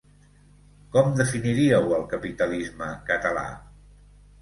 Com definiríeu el capitalisme català?